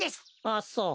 あっそう。